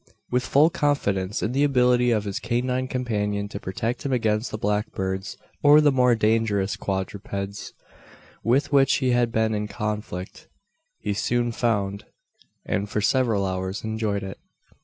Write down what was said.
With full confidence in the ability of his canine companion to protect him against the black birds, or the more dangerous quadrupeds, with which he had been in conflict, he soon found, and for several hours enjoyed it.